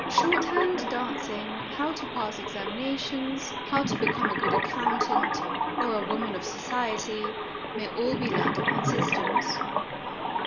Shorthand, dancing, how to pass examinations, how to become a good accountant, or a woman of society, may all be learned upon systems.